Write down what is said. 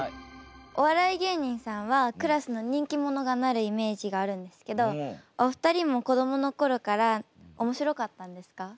お笑い芸人さんはクラスの人気者がなるイメージがあるんですけどお二人も子どもの頃から面白かったんですか？